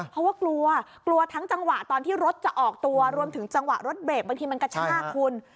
เพราะว่ากลัวกลัวทั้งจังหวะตอนที่รถจะออกตัวรวมถึงจังหวะรถเบรกบางทีมันกระชากคุณ